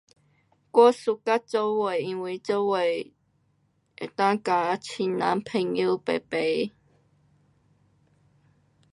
我 suka 做伙，因为做伙能够跟亲人朋友排排。